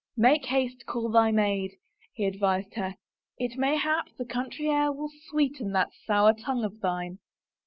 " Make haste, call thy maid," he advised her. " It may hap the country air will sweeten that sour tongue of thine."